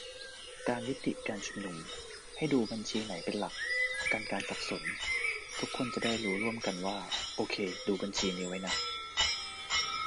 การยุติการชุมนุม ให้ดูบัญชีไหนเป็นหลัก กันการสับสน - ทุกคนจะได้รู้ร่วมกันว่า โอเค ดูบัญชีนี้ไว้นะ